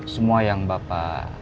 semua yang bapak